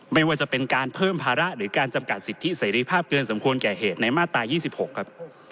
ไม่ว่าจะเป็นการเพิ่มภาระหรือการจำกัดสิทธิเสรีภาพเกินสมควรแก่เหตุในมาตรา๒๖ครับ